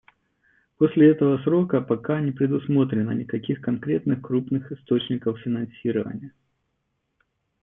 После этого срока пока не предусмотрено никаких конкретных крупных источников финансирования.